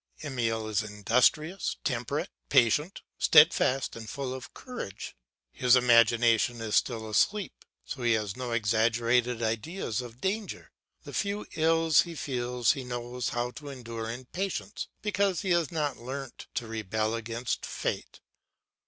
Emile is industrious, temperate, patient, stedfast, and full of courage. His imagination is still asleep, so he has no exaggerated ideas of danger; the few ills he feels he knows how to endure in patience, because he has not learnt to rebel against fate.